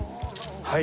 はい。